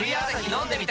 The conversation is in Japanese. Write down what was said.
飲んでみた！